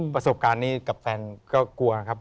ประสบการณ์นี้กับแฟนก็กลัวครับ